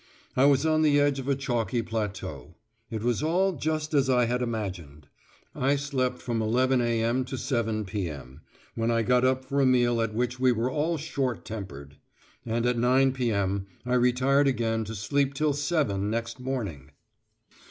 I was on the edge of a chalky plateau; it was all just as I had imagined. I slept from 11.0 a.m. to 7.0 p.m., when I got up for a meal at which we were all short tempered! And at 9.0 p.m. I retired again to sleep till 7.0 next morning.